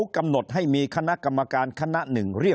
คนในวงการสื่อ๓๐องค์กร